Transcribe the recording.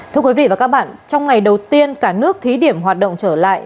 thưa quý vị và các bạn trong ngày đầu tiên cả nước thí điểm hoạt động trở lại